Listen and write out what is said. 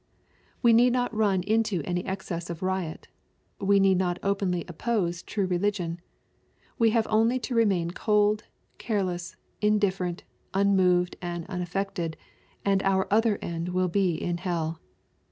We deed not run into any excess of riot. We need not openly oppose true religion. We have only to remain cold, careless, indifferent, unmoved, and unaffected, and our end will be in hell.